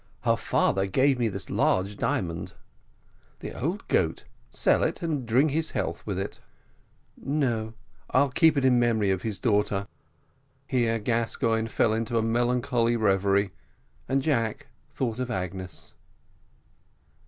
"Her father gave me this large diamond." "The old goat sell it, and drink his health with it." "No, I'll keep it in memory of his daughter." Here Gascoigne fell into a melancholy reverie, and Jack thought of Agnes.